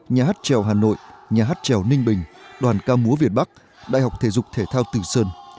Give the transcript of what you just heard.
nhà hát trèo hà nội nhà hát trèo ninh bình đoàn ca múa việt bắc đại học thể dục thể thao tử sơn